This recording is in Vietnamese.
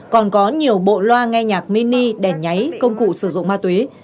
còn có nhiều bộ loa nghe nhạc mini đèn nháy công cụ sử dụng ma túy